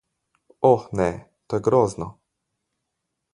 Oh ne, to je grozno!